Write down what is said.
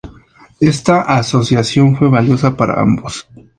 Esta asociación fue valiosa para ambos.